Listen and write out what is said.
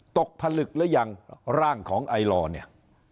ผลึกหรือยังร่างของไอลอร์เนี่ย